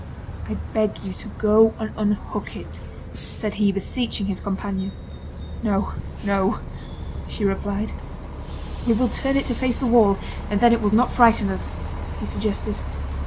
"I beg you to go and unhook it," said he, beseeching his companion. "No, no," she replied. "We will turn it face to the wall, and then it will not frighten us," he suggested.